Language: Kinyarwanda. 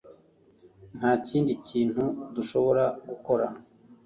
Nta kindi kintu dushobora gukora